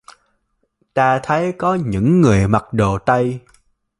Ta thấy có những người mặc đồ tây